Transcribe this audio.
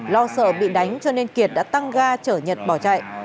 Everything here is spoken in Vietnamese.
lo sợ bị đánh cho nên kiệt đã tăng ga chở nhật bỏ chạy